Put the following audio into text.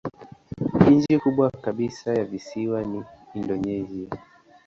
Nchi kubwa kabisa ya visiwani ni Indonesia.